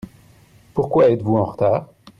Pourquoi êtes-vous en retard ?